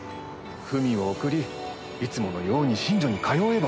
文を送りいつものように寝所に通えば。